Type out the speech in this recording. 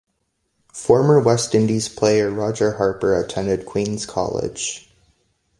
Former West Indies player Roger Harper attended Queen's College.